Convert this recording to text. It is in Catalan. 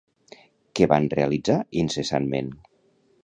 Què van realitzar incessantment?